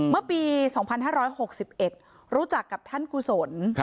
เมื่อปี๒๕๖๑รู้จักกับท่านกุศล